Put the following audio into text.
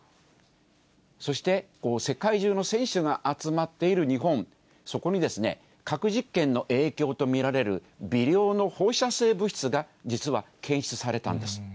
そして世界中の選手が集まっている日本、そこに核実験の影響と見られる微量の放射性物質が、実は検出されたんです。